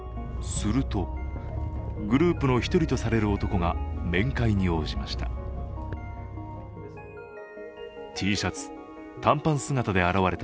すると、グループの一人とされる男が面会に応じました。